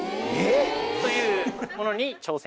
というものに挑戦。